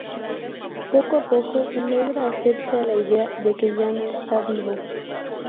Poco a poco, logra hacerse a la idea de que ya no está vivo.